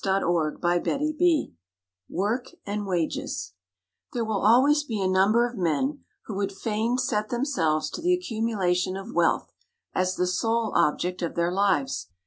Wilfred Campbell WORK AND WAGES There will always be a number of men who would fain set themselves to the accumulation of wealth as the sole object of their lives.